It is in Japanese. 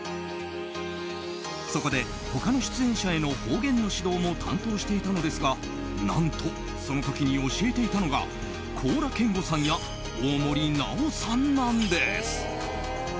そこで他の出演者への方言の指導も担当していたのですが何とその時に教えていたのが高良健吾さんや大森南朋さんなんです。